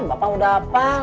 bapak udah hafal